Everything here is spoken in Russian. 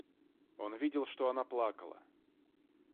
Он видел, что она плакала.